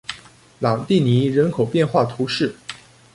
昂蒂尼人口变化图示